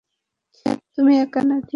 তুমি একা নাকি?